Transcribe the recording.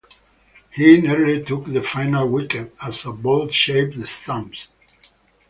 He nearly took the final wicket as a ball shaved the stumps.